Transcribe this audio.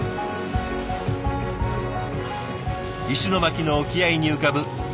石巻の沖合に浮かぶ人口